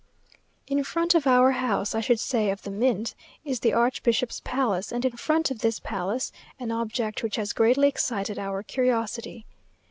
In front of our house, I should say of the Mint, is the archbishop's palace, and in front of this palace an object which has greatly excited our curiosity.